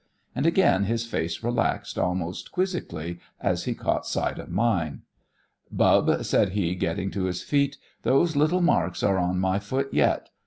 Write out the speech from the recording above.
And again his face relaxed almost quizzically as he caught sight of mine. "Bub," said he, getting to his feet, "those little marks are on my foot yet.